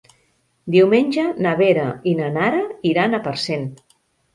Diumenge na Vera i na Nara iran a Parcent.